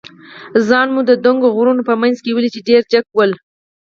ځان مو د دنګو غرونو په منځ کې ولید، چې ډېر جګ ول.